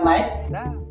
nah ya itu